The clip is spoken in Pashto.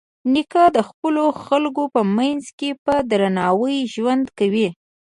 نیکه د خپلو خلکو په منځ کې په درناوي ژوند کوي.